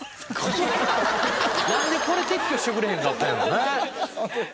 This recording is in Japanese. なんでこれ撤去してくれへんかったんやろね。